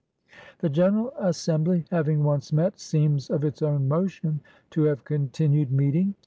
The General Assembly, having once met, seems of its own motion to have continued meeting.